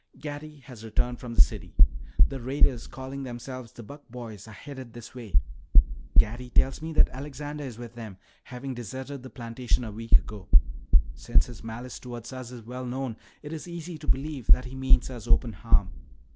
"Gatty has returned from the city. The raiders calling themselves the 'Buck Boys' are headed this way. Gatty tells me that Alexander is with them, having deserted the plantation a week ago. Since his malice towards us is well known, it is easy to believe that he means us open harm.